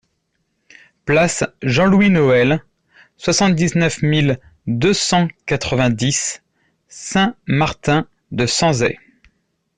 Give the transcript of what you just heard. Place Jean Louis Noel, soixante-dix-neuf mille deux cent quatre-vingt-dix Saint-Martin-de-Sanzay